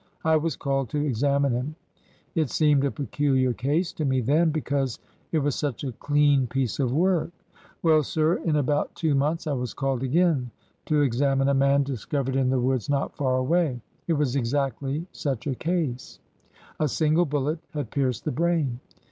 I was called to examine him. It seemed a peculiar case to me then, because it was such a clean piece of work. Well, sir, in about two months I was called again to examine a man discovered BORDER HISTORY ii3 in the woods not far away. It was exactly such a case. A single bullet had pierced the brain.